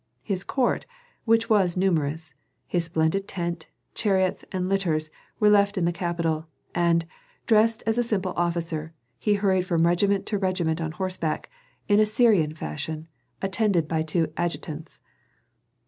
His court, which was numerous, his splendid tent, chariots, and litters were left in the capital, and, dressed as a simple officer, he hurried from regiment to regiment on horseback, in Assyrian fashion, attended by two adjutants.